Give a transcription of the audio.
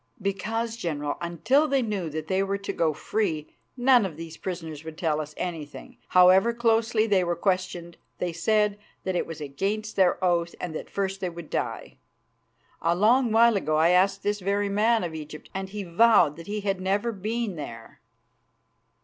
"Because, General, until they knew that they were to go free none of these prisoners would tell us anything. However closely they were questioned, they said that it was against their oath, and that first they would die. A long while ago I asked this very man of Egypt, and he vowed that he had never been there."